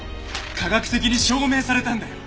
科学的に証明されたんだよ。